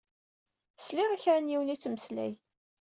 Sliɣ i kra n yiwen ittmeslay.